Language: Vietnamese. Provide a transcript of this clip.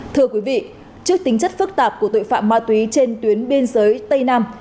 thưa quý vị trước tính chất phức tạp của tội phạm ma túy trên tuyến biên giới tây nam